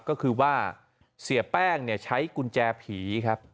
ก็คือว่าเสียแป้งใช้กุญแจผีครับ